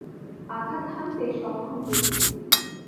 আঘাত হানতে সক্ষম হয়েছি!